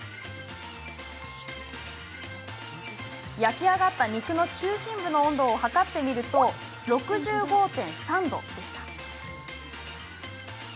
焼き上がった肉の中心部の温度を測ってみると６５．３度でした。